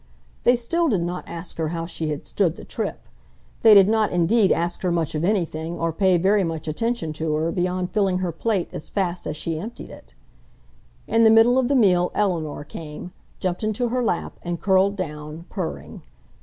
They still did not ask her how she had "stood the trip." They did not indeed ask her much of anything or pay very much attention to her beyond filling her plate as fast as she emptied it. In the middle of the meal Eleanor came, jumped into her lap, and curled down, purring.